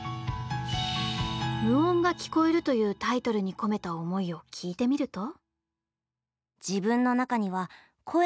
「無音が聴こえる」というタイトルに込めた思いを聞いてみると。